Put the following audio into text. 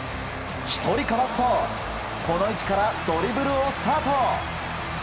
１人かわすと、この位置からドリブルをスタート。